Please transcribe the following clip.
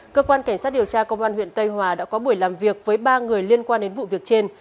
cơ quan cảnh sát điều tra công an huyện tây hòa đã có buổi làm việc với ba người liên quan đến vụ việc trên